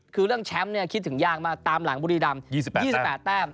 คือเรื่องแชมป์คิดถึงยากมากตามหลังบุรีรำ๒๘แต้ม